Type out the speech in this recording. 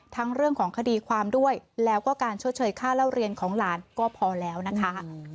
เรื่องของคดีความด้วยแล้วก็การชดเชยค่าเล่าเรียนของหลานก็พอแล้วนะคะ